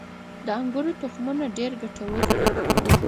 • د انګورو تخمونه ډېر ګټور دي.